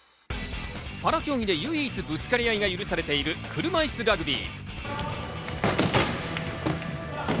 パラ競技で唯一ぶつかり合いが許されている車いすラグビー。